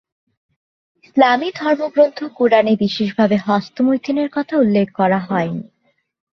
ইসলামী ধর্মগ্রন্থ কুরআনে বিশেষভাবে হস্তমৈথুনের কথা উল্লেখ করা হয়নি।